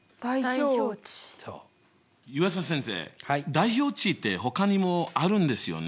代表値って他にもあるんですよね。